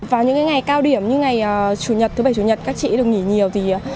vào những ngày cao điểm như ngày chủ nhật thứ bảy chủ nhật các chị được nghỉ nhiều